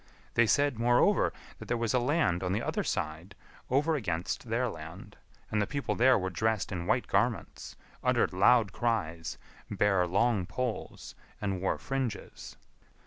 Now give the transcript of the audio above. They said, moreover, that there was a land on the other side over against their land, and the people there were dressed in white garments, uttered loud cries, bare long poles, and wore fringes.